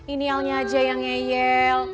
ini alnya aja yang ngeyel